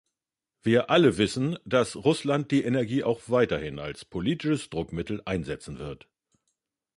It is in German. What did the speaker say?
Wir alle wissen, dass Russland die Energie auch weiterhin als politisches Druckmittel einsetzen wird.